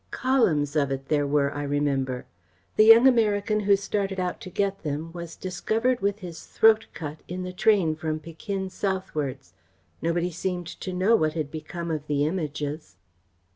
Columns of it there were, I remember. The young American who started out to get them was discovered with his throat cut in the train from Pekin southwards. Nobody seemed to know what had become of the Images."